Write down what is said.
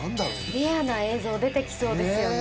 レアな映像出て来そうですよね。